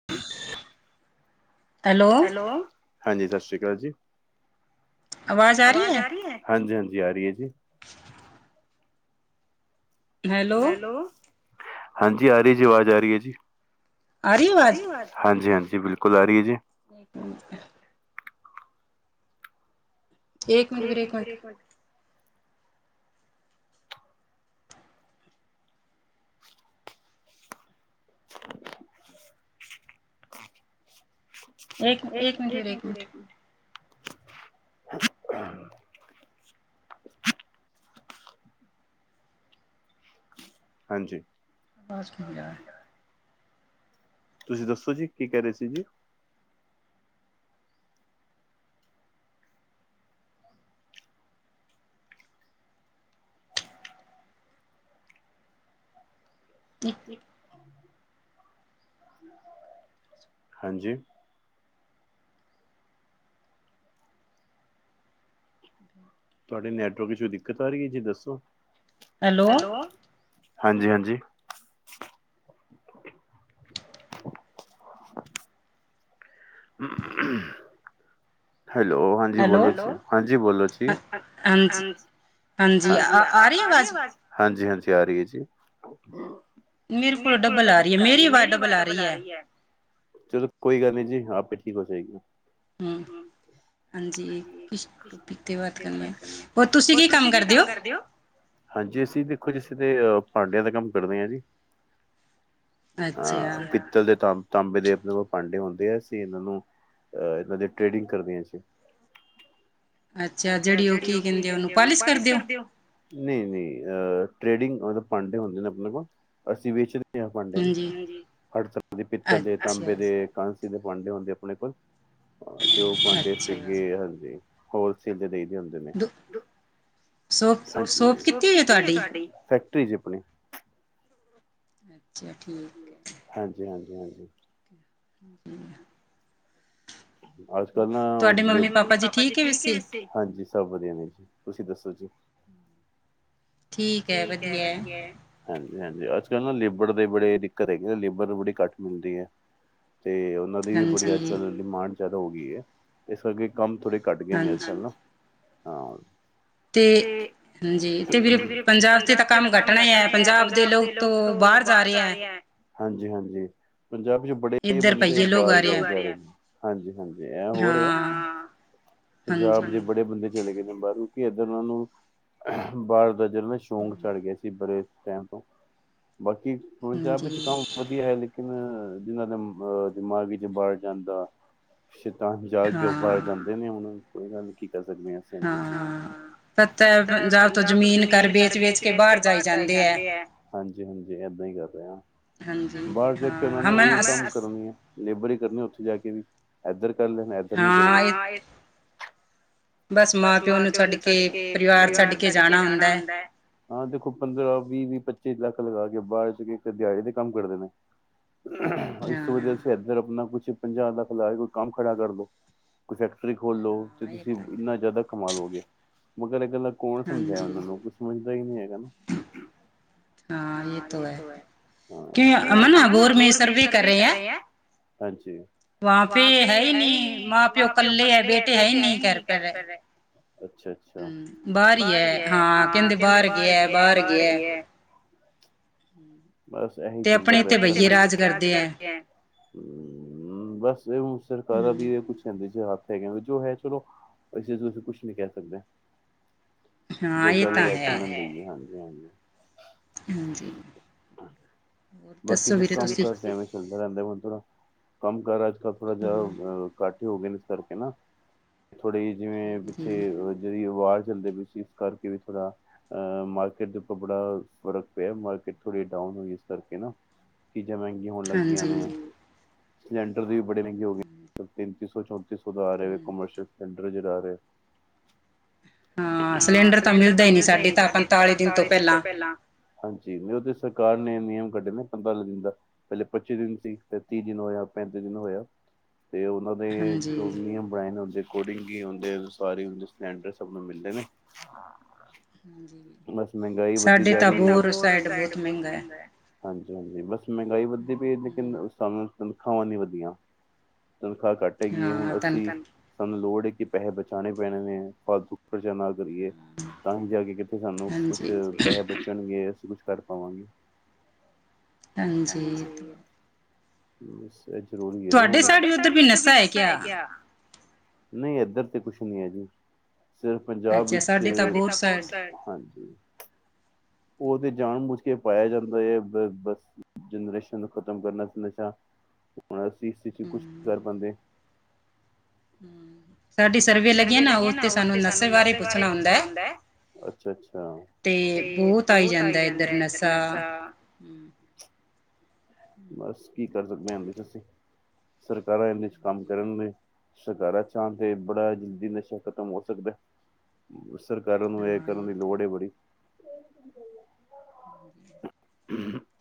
[inaudible] Hello ਹਾਂਜੀ ਸਸ ਸ੍ਰੀ ਕਾਲ ਜੀ ਆਵਾਜ਼ ਆ ਰੀ ਐ। ਹਾਂਜੀ ਹਾਂਜੀ ਆਰੀ ਐ ਜੀ। ਹੈਲੋ ਹਾਂਜੀ ਆਰੀ ਜੀ ਅਵਾਜ਼ ਆਰੀ ਆ ਜੀ ਆਰੀ ਆਵ ਹਾਂਜੀ-ਹਾਂਜੀ ਬਿਲਕੁਲ ਆਰੀ ਐ ਜੀ। [unintelligible] ਏਕ ਮਿੰਟ ਵੀਰੇ ਏਕ ਮਿੰਟ। [inaudible] ਇਕ ਇੱਕ ਮਿੰਟ, ਇੱਕ ਮਿੰਟ। ਹਾਂਜੀ। ਪਾਸ ਹੋ ਗਿਆ ਹੈ। ਤੁਸੀਂ ਦੱਸੋ ਜੀ ਕੀ ਕਹਿ ਰਹੇ ਸੀ ਜੀ। ਤੇ। ਹਾਂਜੀ। ਤੁਡੇ ਨੈਟਵਰਕ ਵਿਚ ਦਿੱਕਤ ਆ ਰਹੀ ਆ ਜੀ ਦੱਸੋੋ ਹਾਂਜੀ ਹਾਂਜੀ। ਹਾਂਜੀ। ਹੂੰ-ਹੂੰ। ਹੈਲੋ। ਹਾਂਜੀ ਬੋਲੋ ਜੀ ਹਾਂਜੀ ਬੋਲੋ ਜੀ ਹਾਂ ਹਾਂਜੀ ਆ ਰਹੀ ਆਵਾਜ਼। ਹਾਂਜੀ ਹਾਂਜੀ ਆ ਰਹੀ ਆ ਜੀ। ਮੇਰੇ ਕੋਲ ਡਬਲ ਆ ਰਹੀ ਆ ਮੇਰੀ ਆਵਾਜ਼ ਡਬਲ ਆ ਰਹੀ ਆ। ਕੋਈ ਗੱਲ ਨੀ ਜੀ ਆਪੇ ਠੀਕ ਹੋ ਜਾਏਗੀ। ਹੂੰ। ਹਾਂਜੀ ਟੋਪੀਕ 'ਤੇ ਬਾਤ ਕਰਨੀ ਆ ਹੋਰ ਤੁਸੀਂ ਕੀ ਕੰਮ ਕਰਦੇ ਹੋ। ਹਾਂਜੀ ਅਸੀਂ ਦੇਖੋ ਜੀ ਅਸੀਂ ਤੇਹ ਭਾਂਡਿਆਂ ਦਾ ਕੰਮ ਕਰਦੇ ਆ ਜੀ। ਅਹ ਪਿੱਤਲ ਦੇ ਤਮ ਤਾਂਬੇ ਦੇ ਆਪਣੇ ਓ ਭਾਂਡੇ ਹੁੰਦੇ ਆ ਅਸੀ ਇਨਾਂ ਨੂੰ ਅਹ ਇਨਾਂ ਦੇ ਟ੍ਰੇਡਿੰਗ ਕਰਦੇ ਦੇਆਂ ਜੀ। ਅੱਛਾ, ਜੇੜੀ ਓ ਕੀ ਕਹਿੰਦੇ ਉਨੂੰ ਪਾਲਿਸ਼ ਕਰ ਦੇ ਦਿਓ। ਨਈ-ਨਈ ਅ ਟ੍ਰੇਡਿੰਗ ਮਤਲਬ ਪਾਂਡੇ ਹੁੰਦੇ ਨੇ ਆਪਣੇ ਕੋਲ ਅਸੀਂ ਵ। ਵੇਚਦੇ ਆ ਭਾਂਡੇ ਨੂੰ ਹਰ ਤਰ੍ਹਾਂ ਦੇ ਪਿੱਤਲ ਦੇ, ਤਾਂਬੇ ਦੇ, ਕਾਂਸੀ ਦੇ ਭਾਂਡੇ ਹੁੰਦੇ ਆਪਣੇ ਕੋਲ। ਹਾਂ ਤੇ ਓ ਪਾਂਡੇ ਅਸੀਂ ਜੀ ਹਾਂਜੀ ਹੋਲਸੇਲ ਤੇ ਦੇਈਦੇ ਹੁੰਦੇ ਨੇ। ਸੋਪ ਕਿੱਥੇ ਆ ਤਾਡੀ ਫੈਕਟਰੀ ਜੀ ਆਪਣੀ। ਅੱਛਾ ਠੀਕ। ਹਾਂਜੀ, ਹਾਂਜੀ-ਹਾਂਜੀ। ਕੀ ਆ। ਅੱਜਕੱਲ ਨਾ ਤੁਡੇ ਮੰਮੀ-ਪਾਪਾ ਜੀ ਠੀਕ ਆ ਵੈਸੇ। ਹਾਂਜੀ! ਸਭ ਵਧੀਆ ਨੇ ਜੀ ਤੁਸੀਂ ਦੱਸੋ ਜੀ। ਠੀਕ ਆ, ਵਧੀਆ ਆ। ਹਾਂਜੀ-ਹਾਂਜੀ ਅੱਜ-ਕਲ ਨਾ ਲੇਬਰ ਦੇ ਬੜੇ ਦਿੱਕਤ ਹੈਗੀ ਆ ਲੇਬਰ ਬੜੀ ਘੱਟ ਮਿਲਦੀ ਆ। ਤੇ। ਉਨਾਂ ਦੀ ਵੀ ਬੜੀ ਅੱਜ-ਕੱਲ ਡਿਮਾਂਡ ਜਾਦਾ ਹੋ ਗਈ ਆ। ਇਸ ਕਰਕੇ ਕੰਮ ਥੋੜੇ ਘੱਟ ਗਏ ਨੇ ਅੱਜ-ਕੱਲ ਨਾ। ਹਾਂ ਤੇ ਹਾਂਜੀ। ਪੰਜਾਬ 'ਚ ਤਾਂ ਕੰਮ ਘੱਟਣਾ ਹੀ ਆ ਪੰਜਾਬ ਦੇ ਲੋਕ ਤੋਂ ਬਾਹਰ ਜਾ ਰਹੇ ਆ। ਹਾਂਜੀ-ਹਾਂਜੀ ਪੰਜਾਬ 'ਚ ਬੜੇ ਹੀ ਬੰਦੇ ਬਾਰ ਜਾਈ ਜਾ ਰਹੇ। ਹਾਂਜੀ-ਹਾਂਜੀ ਐ ਹੋ ਰਿਹਾ ਹਾਂ ਪੰਜਾਬ ਦੇ ਬੜੇ ਬੰਦੇ। ਚਲੇ ਗਏ ਨੇ ਬਾਰ ਨੂੰ ਕਿਉਂਕਿ ਇੱਧਰ ਉਨਾਂ ਨੂੰ ਬਾਰ ਦਾ ਜਲੋ ਸ਼ੌਂਕ ਚੜ ਗਿਆ ਸੀ। ਨਈ ਬੜੇ ਟਾਈਮ ਤੋਂ ਬਾਕੀ ਪੰਜਾਬ ਵਿੱਚ ਕੰਮ। ਵਧੀਆ ਹੈ ਲੇਕਿਨ ਜਿਨਾਂ ਦੇ ਅ ਦਿਮਾਗ ਵਿੱਚ ਬੜ ਜਾਂਦਾ। ਟਾਂ ਜਾ ਕੇ ਬਾਰ ਜਾਂਦੇ ਨੇ ਹੁਣ ਕੋਈ ਗੱਲ ਨੀ ਕੀ ਕਰ ਸਕਦੇ ਆ ਅਸੀਂ। ਹਾਂ ਪਤਾ ਪੰਜਾਬ ਤੋਂ ਜ਼ਮੀਨ। ਘਰ ਵੇਚ ਵੇਚ ਕੇ ਬਾਰ ਜਾਈ ਜਾਂਦੇ ਆ ਹਾਂਜੀ ਹਾਂਜੀ ਏਦਾਂ ਹੀ ਕਰ ਰਿਹਾ। ਬਾਰ ਜਾ ਕੇ ਉਨਾਂ ਨੇ ਉਹੀ ਕੰਮ ਕਰਨੀਆ। ਲੇਬਰ ਈ ਕਰਨੀ ਓਥੇ ਜਾ ਕੇ ਵੀ ਐਦਰ ਕਰ ਲੈਨਾ ਐਦਰ ਨੀ ਕਰਨੀ ਹਾਂ ਏ ਬਸ ਮਾਂ-ਪਿਓ ਨੂੰ ਛੱਡ ਕੇ ਪਰਿਵਾਰ ਛੱਡ ਕੇ ਜਾਨਾ ਹੁੰਦੈ। ਹਾਂ ਦੇਖੋ ਪੰਦਰਾਂ ਵੀਅ-ਵੀਅ ਪੱਚੀ ਲੱਖ ਲਗਾ ਕੇ ਬਾਦ ਚ ਇੱਕ ਦਿਆੜੀ ਦੇ ਕੰਮ ਕਰਦੇ ਨੇ। ਇਸ ਤੋਂ ਵਦੀਆ ਤੁਸੀਂ ਐ ਐਦਰ ਆਪਨਾ ਕੁਛ ਪੰਜਾਹ ਲੱਖ ਲਾ ਕੇ ਕੋਈ ਕੰਮ ਖੜਾ ਕਰਲੋ, ਕੋਈ ਫੈਕਟਰੀ ਖੋਲ ਲੋ ਤੇ ਤੁਸੀਂ ਜਾਦਾ ਕਮਾ ਲੋ ਗੇ। ਮਗਰ ਏ ਗੱਲਾਂ ਕੋਨ ਸਮਝਾਏ ਓਨਾਂ ਨੂੰ ਕੋਈ ਸਮਝਦਾ ਈ ਨਈਂ ਹੈਗਾ ਨਾ। ਹਾਂ ਯੇ ਤੋ ਹੈ ਕੇ ਅਮਨ ਅਬੋਰ ਮੇਂ ਸਰਵੇ ਕਰ ਰੇਆ। ਹਾਂਜੀ, ਵਹਾਂ ਪੇ ਹੈ ਈ ਨੀ ਮਾਂ-ਪਿਓ ਕੱਲੇ ਐ ਬੇਟੇ ਹੈ ਈ ਨਈਂ। ਕੈਰ ਪੈਂਦੈ ਅੱਛਾ-ਅੱਛਾ, ਬਾਰ ਈ ਐ ਹਾਂ ਕੈਂਦੇ ਬਾਰ ਗੇਆ ਬਾਰ ਗੇਆ। ਠੀਕ ਬਸ ਏਹੀ ਚਲਦਾ ਪਿਆ, ਤੇ ਆਪਨੇ ਤੇ ਬਈਏ ਰਾਜ ਕਰਦੇ ਐਂ ਬਸ ਸਰਕਾਰਾਂ ਦੀ ਕੁਛ ਹੈਂਗੇ ਹੱਥ ਹੈਗੇ ਜੋ ਹੈ ਚਲੋ ਇਸੇ ਅਸੀਂ ਕੁਛ ਨੀ ਕੈ ਸਕਦੇ। ਜੋ ਚਲੇਗਾ ਚੱਲਨ ਦਈਏ, ਹਾਂ ਏ ਤਾਂ ਹੈ, ਹਾਂਜੀ-ਹਾਂਜੀ। ਹਾਂਜੀ। ਬਾਕੀ [unintelligible] ਦੱਸੋ ਵੀਰੇ ਤੁਸੀਂ। ਚੱਲਦਾ ਰੈਂਦਾ ਹੁਨ ਥੋੜਾ ਕੰਮ ਕਾਰ ਅੱਜ-ਕੱਲ ਥੋੜਾ ਜਾ ਅਹ ਘੱਟ ਈ ਹੋ ਗਏ ਨੇ ਇਸ ਕਰਕੇ ਨਾ। ਥੋੜੀ ਜੀ ਜਿਵੇਂ ਪਿੱਛੇ ਜੇੜੀ ਆਵਾਜ਼ ਚੱਲਦੇ ਪਈ ਸੀ ਇਸ ਕਰਕੇ ਵੀ ਥੋੜਾ ਅ ਮਾਰਕੀਟ ਦੇ ਉੱਪਰ ਬੜਾ ਫ਼ਰਕ ਪੇਆ ਮਾਰਕੀਟ ਥੋੜੀ ਡਾਊਨ ਹੋਈ ਇਸ ਕਰਕੇ ਕਰਕੇ ਨਾ ਚੀਜ਼ਾਂ ਮੈਂਗੀਆਂ ਹੋਨ ਲੱਗਗੀਆਂ ਨੇ, ਸਲੰਡਰ ਦੇ ਵੀ ਬੜੇ ਮੈਂਗੇ ਹੋਗੇ ਤੈਂਤੀ ਸੌ ਚੌਂਤੀ ਸੌ ਦਾ ਆ ਰਿਆ ਕਮਰਸ਼ੀਅਲ ਸੈਂਟਰ ਆ ਜੇੜਾ ਆ ਰੇਆ। ਹਾਂ ਸਲੇਂਡਰ ਤਾਂ ਮਿਲਦਾ ਈ ਨਈਂ ਸਾਡੇ ਤਾਂ ਪੰਤਾਲੀ ਦਿਨ ਤੋਂ ਪੈਲਾਂ। ਹਾਂਜੀ ਮੀ ਓਦੇ ਸਰਕਾਰ ਨੇ ਨਿਯਮ ਕੱਢੇ ਨੇ ਪੰਤਾਲੀ ਦਿਨ ਦਾ, ਪੈਲੇ ਪੱਚੀ ਦਿਨ ਸੀ ਫੇਰ ਤੀਅ ਦਿਨ ਹੋਏ ਆ ਪੈਂਤੀ ਦਿਨ ਹੋਏ ਆ। ਤੇ ਓਨਾਂ ਦੇ ਜੋਵੀਅਮ ਹਾਂਜੀ। ਵੈਨ ਔਫ ਦੇ ਅਕੋਡਿੰਗ ਕੀ ਹੁੰਦੇ ਨੇ ਅਨੁਸਾਰੀ ਸਲੇਂਡਰ ਸਬ ਨੂੰ ਮਿਲਦੇ ਨੇ। ਬਸ ਮੈਂਗਾਈ ਵਦੀ ਜਾ ਰਈ ਐ ਸਾਡੇ ਤਾਂ ਹੋਰ ਏਸ ਸੈਡ ਬੋਤ ਮੈਂਗਾ ਆ। ਹਾਂਜੀ-ਹਾਂਜੀ ਬਸ ਮੈਂਗਾਈ ਵੱਧਦੀ ਪਈ ਲੇਕਿਨ ਸਾਨੂੰ ਤਨਖਾਵਾਂ ਨੀ ਵਦੀਆਂ। ਤਨਖਾਹ ਘੱਟ ਹੈਗੀ ਐ ਹੁਨ ਅਸੀਂ ਸਾਨੂੰ ਲੋੜ ਐ ਕੇ ਪੈਸੇ ਬਚਾਨੇ ਪੈਨੇ ਨੇ ਫਾਲਤੂ ਪ੍ਰਜਾ ਨਾਲ ਕਰੀਏ ਤਾਂਹੀ ਜਾ ਕੇ ਕਿੱਥੇ ਸਾਨੂੰ ਕੁਛ ਪੈਸੇ ਪੁਚਨਗੇ ਅਸੀਂ ਕੁਛ ਕਰ ਪਾਵਾਂਗੇ। ਹਾਂਜੀ, ਬਸ ਏ ਚ ਰੋਰੀ ਏ ਨਾ, ਤੁਆਡੇ ਸਾਈਡ ਵੀ ਓਦਰ ਕੋਈ ਨਸ਼ਾ ਹੈ ਕਿਆ। ਨਈਂ ਏਦਰ ਤੇ ਕੁਛ ਨੀ ਐ ਜੀ, ਸਿਰਫ ਪੰਜਾਬ ਵਿਚ ਸਾਡੀ ਤਾਂ ਹੋਰ ਸੈਡ ਓ ਤੇ ਜਾਨ ਬੂਝ ਕੇ ਪਾਏਆ ਜਾਂਦਾ ਏ ਬ ਬਸ ਜਨਰੇਸ਼ਨ ਨੂੰ ਖ਼ਤਮ ਕਰਨਾ ਨਸ਼ਾ, ਹੁਨ ਅਸੀਂ ਇਸੀ ਚ ਕੁਛ ਨੀ ਕਰ ਪਾਂਦੇ। ਹੂੰ। ਸਾਡੀ ਸਰਵੇ ਲੱਗੀ ਐ ਨਾ ਉਸ ਤੇ ਸਾਨੂੰ ਨਸ਼ੇ ਬਾਰੇ ਪੁੱਛਨਾ ਹੁੰਦੈ। ਤੇ ਬੋਤ ਆਈ ਜਾਂਦਾ ਏਦਰ ਨਸ਼ਾ। ਬਸ ਕੀ ਕਰ ਸਕਦੇ ਆਂ ਫੇਰ ਅਸੀਂ। ਸਰਕਾਰਾਂ ਏਨੇ ਚ ਕੰਮ ਕਰਨ ਦੇ, ਸਰਕਾਰਾਂ ਚ ਆਨ ਫੇਰ ਬੜਾ ਜਲਦੀ ਨਸ਼ਾ ਖਤਮ ਹੋ ਸਕਦਾ, ਸਰਕਾਰਾਂ ਨੂੰ ਏ ਕਰਨ ਦੀ ਲੋੜ ਏ ਬੜੀ। [inaudible]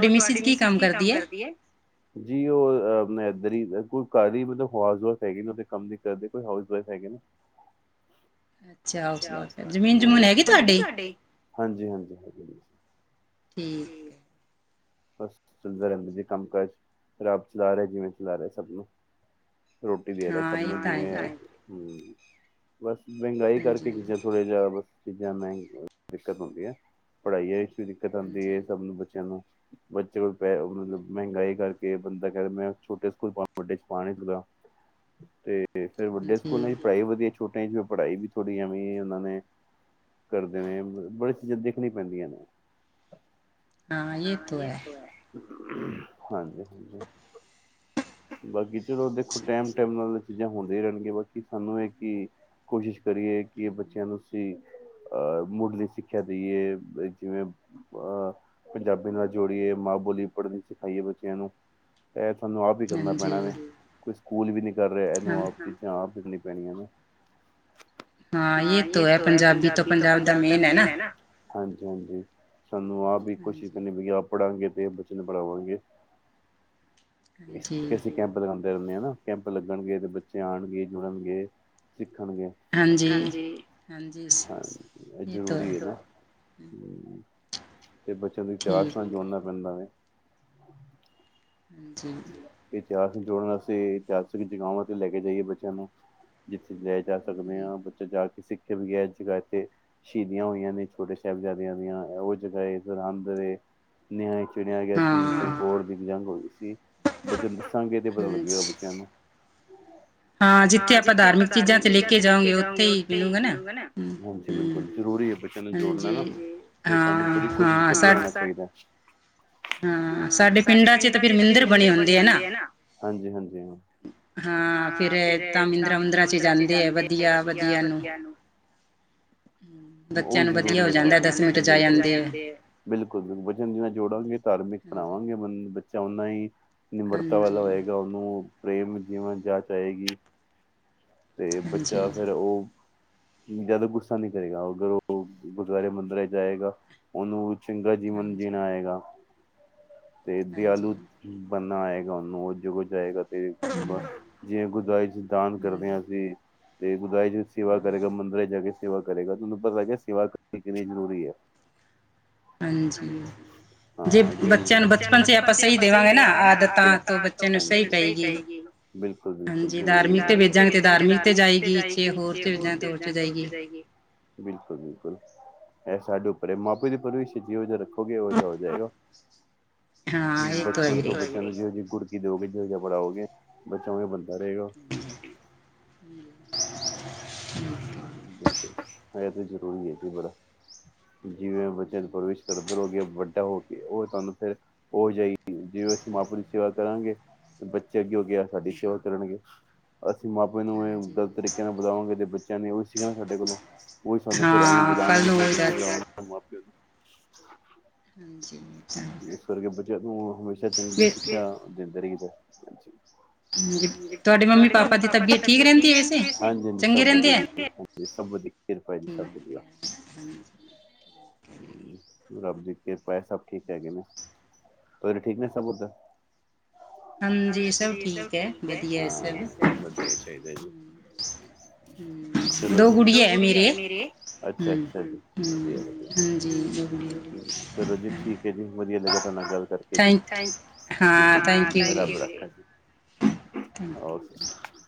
ਔਰ ਤੁਆਡੀ ਮਿਸਜ ਕੀ ਕੰਮ ਕਰਦੀ ਐ। ਜੀ ਉਹ ਇਧਰ ਹੀ ਹੇਗੇ ਕੋਈ ਘਰ ਹੀ ਮਤਲ ਹੈ ਹੋਸ ਵਾਈਫ ਕੰਮ ਨੀ ਕਰਦੇ ਕੋਈ ਹੋਸ ਵੈਫ ਹੈਗੇ ਨੇ। ਅਛਾ ਸਰ ਜ਼ਮੀਨ ਜਮੂਨ ਹੈਗੀ ਤੁਹਾਡੀ। ਹਾਂਜੀ ਹਾਂਜੀ ਹੈ ਗਈ ਹਾਂ। ਠੀਕ ਹੈ। ਬਸ ਚੱਲਦਾ ਰਹਿੰਦਾ ਜੀ ਕੰਮ ਕਾਜ ਰਬ ਚਲਾ ਰੇਐ ਜਿਵੇਂ ਚਲਾ ਰੇਹਾ ਸਭ ਨੂੰ। ਰੋਟੀ ਦੇ ਰੇਐ ਸਭ ਨੂੰ ਜਿਏਂ ਹੈ। ਹਮ। ਬਸ ਮਹਿੰਗਾਈ ਕਰਕੇ ਕਿਸੇ ਥੋੜਾ ਜਿਆ ਬਸ ਚੀਜ਼ਾਂ ਮਹਿੰ ਦਿੱਕਤ ਹੁੰਦੀ ਹੈ। ਪੜ੍ਹਾਈਆਂ ਵਿੱਚ ਵੀ ਦਿੱਕਤ ਆਂਦੀ ਹੈ ਸਭ ਨੂੰ ਬੱਚਿਆਂ ਨੂੰ। ਬੱਚੇ ਕੋਲ ਪੈ ਮਤਲਬ ਮਹਿੰਗਾਈ ਕਰਕੇ ਬੰਦਾ ਕੈ ਮੈ ਛੋਟੇ ਸਕੂਲ ਵੱਡੇ ਚ ਪਾ ਨੀ ਸਕਦਾ। ਤੇ ਫੇਿਰ ਵੱਡੇ ਸਕੂਲਾਂ ਚ ਪੜ੍ਹਾਈ ਵਧੀਆ ਛੋਟਿਆਂ ਚ ਫ ਪੜ੍ਹਾਈ ਵੀ ਥੋੜ੍ਹੀ ਐਂਵੇ ਈ ਐਹਨਾਂ ਨੇ। ਕਰਦੇ ਨੇ ਬੜੀ ਚੀਜ਼ਾਂ ਦੇਖਣੀ ਪੈਂਦੀਆਂ ਨੇ। ਹਾਂ [unintelligible] ਹਾਂਜੀ ਹਾਂਜੀ ਬਾਕੀ ਚਲੋ ਦੇਖੋ ਟੈਮ ਟੈਮ ਨਾਲ ਏ। ਚੀਜ਼ਾਂ ਹੁੰਦੀਆਂ ਰੈਣ ਗੀਆਂ। ਬਾਕੀ ਸਾਨੂੰ ਇਹ ਕਿ ਕੋਸ਼ਿਸ਼ ਕਰੀਏ ਕਿ ਬੱਚਿਆਂ ਨੂੰ ਅਸੀਂ ਅਹ ਮੁਡਲੀ ਸਿੱਖਿਆ ਦੇਈਏ ਜਿਵੇਂ ਅਹ ਪੰਜਾਬ ਬਿ ਨਾ ਜੋੜੀਏ, ਮਾਂ ਬੋਲੀ ਪੜ੍ਹਨੀ ਸਿਖਾਈਏ ਬੱਚਿਆਂ ਨੂੰ, ਇਹ ਸਾਨੂੰ ਆਪ ਹੀ ਕਰਨਾ ਪੈਣਾ ਵੇ। ਕੋਈ ਸਕੂਲ ਵੀ ਨੀ ਕਰ ਰਿਹਾ। ਇਹਨੂੰ ਆਪ ਚੀਜ਼ਾਂ ਆਪ ਕਰਨੀ ਪੈਣੀਆਂ ਨੇ। [unintelligible] ਪੰਜਾਬ ਦਾ ਮੇਨ ਏ ਨਾ। ਹਾਂਜੀ ਹਾਂਜੀ ਸਾਨੂੰ ਆਪ ਹਾਂਜੀ। ਕਿ ਆਪ ਪੜਾਂਗੇ ਤੇ ਬੱਚੇਆ ਨੂੰ ਪੜ੍ਹਾਵਾਂਗੇ ਇਸ ਏਸੇ ਲਗਾਂਦੇ ਰੈਦੇਂ ਆ ਨਾ ਕੈਂਪ ਲੱਗਣਗੇ, ਤੇ ਬੱਚੇ ਆਣਗੇ, ਜੁੜਨਗੇ, ਸਿੱਖਣਗੇ। ਹਾਂਜੀ ਇਹ ਜ਼ਰੂਰੀ ਹੈ ਹਮ ਤੇ ਬੱਚਿਆਂ ਦੇ ਚਾਸ ਨਾਲ ਜੋੜਨਾ ਪੈਂਦਾ ਵ [unintelligible] ਇਤਿਹਾਸ ਨੂੰ ਜੋੜਨ ਵਾਸਤੇ ਇਤਿਹਾਸਿਕ ਜਗ੍ਹਾਵਾਂ ਤੇ ਲੈ ਕੇ ਜਾਈਏ ਬੱਚਿਆਂ ਨੂੰ ਜਿੱਥੇ ਲੈ ਜਾ ਸਕਦੇ ਹਾਂ ਬੱਚਾ ਜਾ ਕੇ ਸਿੱਖੇ ਵੀ ਇਸ ਜਗ੍ਹਾ ਇੱਥੇ ਸ਼ਹੀਦੀਆਂ ਹੋਈਆਂ ਨੇ ਛੋਟੇ ਸਾਹਿਬਜ਼ਾਦਿਆਂ ਦੀਆਂ ਉਹ ਜਗ੍ਹਾਏ ਸਰੰਦ ਵੇ - ਨੀਆਂ ਚੁਣਿਆ ਗਿਆ ਸੀ ਚਮ ਕੋਰ ਦੀ ਜੰਗ ਹੋਈ ਸੀ ਬੱਚੇ ਨੂੰ ਦੱਸਾਂਗੇ ਤੇ ਪਤਾ ਲੱਗੇਗਾ ਬੱਚਿਆਂ ਨੂੰ ਹਾਂ ਜਿੱਥੇ ਆਪਾਂ ਧਾਰਮਿਕ ਚੀਜ਼ਾਂ ਤੇ ਲੈ ਕੇ ਜਾਉਂਗੇ ਉੱਥੇ ਹੀ ਮਿਲੂਗਾ ਨਾ ਬਿਲਕੁਲ ਜਰੂਰੀ ਹੈ ਬੱਚਿਆਂ ਨੂੰ ਜੋੜਨਾ ਹੈ ਨਾ ਤੇ ਸਾਨੂੰ ਪੂਰੀ ਕੋਸ਼ਿਸ਼ ਕਰਦੇ ਰੈਣਾ ਚਾਹੀਦਾ ਹਾਂ ਸਾਡੇ ਪਿੰਡਾਂ ਚ ਤਾਂ ਫਿਰ ਮੰਦਰ ਬਣੇ ਹੁੰਦੇ ਹ ਹਾਂਜੀ ਹਾਂਜੀ ਹ ਹਾਂ ਫੇਿਰ ਤਾਂ ਮਿੰਦਰਾ ਮੁੰਦਰਾ ਚ ਜਾਂਦੇ ਆ ਵਧੀਆ ਵਧੀਆ ਬਚੇਆ ਨੂੰ ਵਧੀਆ ਹੋ ਜਾਂਦਾ ਦਸ ਮਿੰਟ ਆ ਜਾਂਦੇ ਆ ਬਿਲਕੁਲ ਬਿਲਕੁਲ ਬਚੇਆ ਨ ਜੀ ਨਾਲ ਜੋੜਾਂਗੇ ਧਾਰਮਿਕ ਬਣਾਵਾਂਗੇ ਬੱਚਾ ਉਹਨਾਂ ਹੀ ਨਿਮਰਤਾ ਵਾਲਾ ਹੋਏਗਾ ਉਹਨੂੰ ਪ੍ਰੇਮ ਜਿਵਂਨ ਜਾਚ ਆਏਗੀ ਤੇ ਬੱਚਾ ਫਿਰ ਉਹ ਜ਼ਿਆਦਾ ਗੁੱਸਾ ਨਹੀਂ ਕਰੇਗਾ ਅਗਰ ਉਹ ਗੁਰਦੁਆਰੇ ਮੰਦਿਰ ਆ ਜਾਏਗਾ ਉਹਨੂੰ ਚੰਗਾ ਜੀਵਨ ਜੀਣਾ ਆਏਗਾ ਤੇ ਦਿਆਲੂ ਬਣਨਾ ਆਏਗਾ ਉਹਨੂੰ ਉਹ ਜ ਜਾਏਗਾ ਤੇ ਬ ਜਿਵੇਂ ਗੁਰਦਾਰੇ ਚ ਦਾਨ ਕਰਦੇ ਹਾਂ ਅਸੀਂ ਤੇ ਗੁਰਦਾਰ ਸੇਵਾ ਕਰੇਗਾ ਮੰਦਰਾ ਚ ਜਾ ਕੇ ਸੇਵਾ ਕਰੇਗਾ ਤੁ ਉਹਨਾ ਨੂੰ ਪਤਾ ਲੱਗਿਆ ਸੇਵਾ ਕਰਨੀ ਕਿੰਨੀ ਜ਼ਰੂਰੀ ਹੈ ਹਾਂਜੀ ਜੇ ਬੱਚਿਆਂ ਨੂੰ ਬਚਪਨ ਚ ਆਪਾਂ ਸਹੀ ਦੇਵਾਂਗੇ ਦੇਵਾਂਗੇ ਨਾ ਆਦਤਾਂ ਤੋਂ ਬੱਚੇ ਨੂੰ ਸਹੀ ਪਏਗੀ, ਬਿਲਕੁਲ- ਬਿਲਕੁਲ ਹਾਂਜੀ ਧਾਰਮਿਕ ਤੇ, ਤੇ ਵੇਜਾਂਗੇ ਤੇ ਧਾਰਮਿਕ ਤੇ ਜਾਏਗੀੇ, ਜੇ ਹੋਰ ਚ ਵੇਜਣਗੇ ਹੋਰ ਚ ਜਾਏਗੀ। ਬਿਲਕੁਲ- ਬਿਲਕੁ ਇਹ ਸਾਡੇ ਉਪਰ ਏ ਮਾਪੇ ਦੀ ਪਰਵਰੀ ਜੇਹੋ ਜਿਹਾ ਰੱਖੋ। ਗੇ ਓਵੇ ਜੇਹਾ ਹੋ ਜਾਏਗਾ, ਹ ਬਚਪਨ ਤੋਂ ਚਲੋ ਜਿਹੋ ਜਿਹੀ ਗੁੜਤੀ ਦੇਓਗੇ ਜਿਹੋ ਜਾ ਪੜਾਓਗੇ ਬਚਾ ਓਵੇਦਾ ਬਨ- ਕਰੇਗਾ ਹ ਬਿਲਕੁਲ ਇਹ ਤੇ ਜ਼ਰੂਰੀ ਹੈ ਜੀ ਬੜਾ ਜਿਵੇਂ ਬੱਚਿਆਂ ਨੂੰ ਪ੍ਰਵਿਸ਼ ਕਰਦੇ ਰਹੋਗੇ ਵੱਡਾ ਹੋ ਕੇ ਉਹ ਤੁਹਾਨੂੰ ਫੇਰ ਉਹ ਜਾਹੀ ਮਾਂ ਪੇਓ ਦੀ ਸੇਵਾ ਕਰਾਂਗੇ ਬੱਚੇ ਅੱਗੇ ਹੋ ਕੇ ਸਾਡੀ ਸੇਵਾ ਕਰਨਗੇ। ਅਸੀਂ ਮਾਪੇ ਨੂੰ ਇਹ ਗਲਤ ਤਰੀਕੇ ਨਾਲ ਬੁਲਾਵਾਂਗੇ ਬੱਚਿਆਂ ਨੇ ਉਹੀ ਸੀਖਣਾ ਸਾਡੇ ਕੋਲੋਂ। ਕੋਈ ਸ ਫਿਰ [unintelligible] ਹਾਂਜੀ ਇਸ ਕਰਕੇ ਬੱਚਿਆਂ ਤੂੰ ਹਮੇਸ਼ਾ ਚੰਗੀ ਸਿੱਖਿਆ ਦਿੰਦੇ ਰਹੀਦਾ ਹ ਹੂੰ ਤੁਹਾਡਡੀ ਮੰਮੀ ਪਾਪਾ ਦੀ ਤਬੀਅਤ ਠੀਕ ਰਹਿੰਦੀ ਹੈ ਵੈਸੇ, ਚੰਗੀ ਰਹਿੰਦੀ ਆ। ਜੀ ਸਭ ਵਧੀ ਕਿਰਪਾ ਏ ਜੀ ਸਭ ਵਧੀਆ। ਰਬ ਦੀ ਕਿਰਪਾ ਏ ਸਭ ਠੀਕ। ਹੈਗੇ ਨੇ, ਸੌਹਰੇ ਠੀਕ ਨੇ ਸਭ ਉੱਧਰ? ਹਾਂਜੀ ਸਭ ਠੀਕ ਹੈ। ਹਾਂ ਵਧੀਆ ਚਾਹੀਦਾ ਜੀ। ਹ [unintelligible] ਚਲੋ ਜੀ, ਦੋ ਗੜੀਯਾ ਹੈ ਮੇਰੀ ਅੱਛਾ- ਅੱਛਾ ਜੀ ਵਧੀਆ- ਵਧੀਆ। ਹਾਂਜੀ ਚਲੋ ਜੀ ਠੀਕ ਐ ਜੀ। ਵਧੀਆ ਲੱਗਾ ਤੁਹਾਡੇ ਨਾਲ ਗੱਲ ਕਰਕੇ ਜੀ, ਹਾਂ ਥੇੰਕਯੂ ਜੀ। ਓਕੇ [unintelligible]